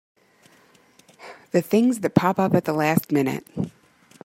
The things that pop up at the last minute!